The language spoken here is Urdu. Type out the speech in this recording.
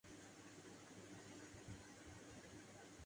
معاملہ فہمی دکھائیے۔